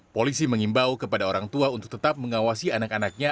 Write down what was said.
polisi mengimbau kepada orang tua untuk tetap mengawasi anak anaknya